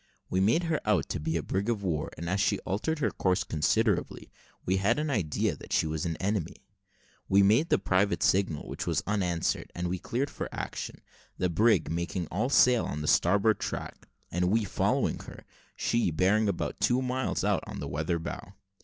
We made her out to be a brig of war; and as she altered her course considerably, we had an idea that she was an enemy. We made the private signal, which was unanswered, and we cleared for action; the brig making all sail on the starboard tack, and we following her she bearing about two miles on out weather bow.